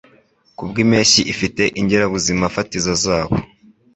Kubwimpeshyi ifite ingirabuzimafatizo zabo.